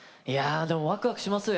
でもワクワクしますよ